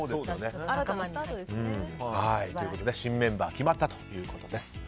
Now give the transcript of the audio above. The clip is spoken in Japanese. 新メンバーが決まったということです。